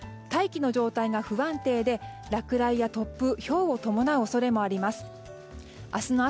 大気の状態が不安定で落雷や突風、ひょうを伴う恐れもあります。